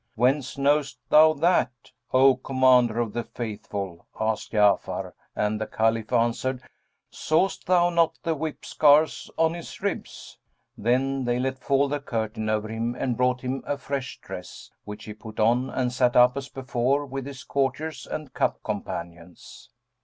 "Whence knowest thou that, O Commander of the Faithful?" asked Ja'afar, and the Caliph answered, "Sawest thou not the whip scars on his ribs?" Then they let fall the curtain over him and brought him a fresh dress, which he put on and sat up as before with his courtiers and cup companions.